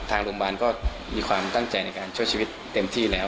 ทางโรงพยาบาลก็มีความตั้งใจในการช่วยชีวิตเต็มที่แล้ว